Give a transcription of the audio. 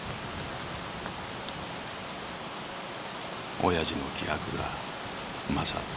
おやじの気迫が勝った。